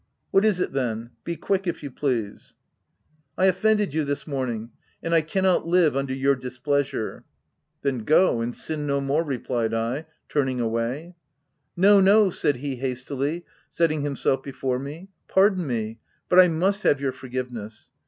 " What is it then ?— be quick if you please." OF WILDFELL HALL. 327 " I offended you this morning ; and I cannot live under your displeasure." " Then, go, and sin no more," replied I, turning away. " No, no !" said he hastily, setting himself before me —" Pardon me, but I must have your forgiveness.